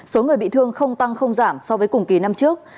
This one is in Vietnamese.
số người bị thương không tăng không giảm so với cùng kỳ năm trước